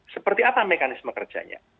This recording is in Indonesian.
seperti apa mekanisme kerjanya